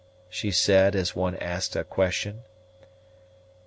she said, as one asks a question.